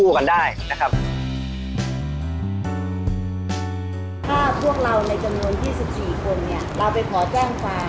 ถ้าพวกเราในจำนวน๒๔คนเราไปขอแจ้งความ